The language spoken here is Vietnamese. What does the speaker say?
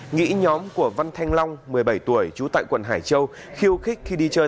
nghĩ nhóm của văn thanh long một mươi bảy tuổi trú tại quận hải châu khiêu khích khi đi chơi